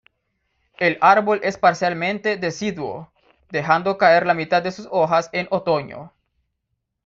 El árbol es parcialmente deciduo, dejando caer la mitad de sus hojas en otoño.